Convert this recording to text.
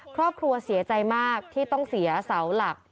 ครอบครัวเสียใจมากที่ต้องเสียเสาหลัก